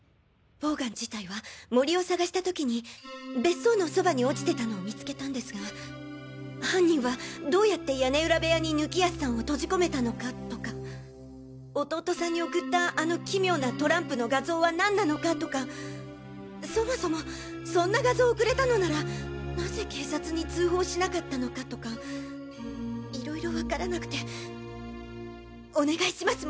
ボウガン自体は森を捜した時に別荘のそばに落ちてたのを見つけたんですが犯人はどうやって屋根裏部屋に貫康さんを閉じ込めたのかとか弟さんに送ったあの奇妙なトランプの画像は何なのかとかそもそもそんな画像送れたのならなぜ警察に通報しなかったのかとか色々わからなくてお願いします